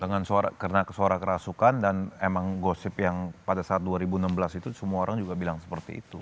jangan karena suara kerasukan dan emang gosip yang pada saat dua ribu enam belas itu semua orang juga bilang seperti itu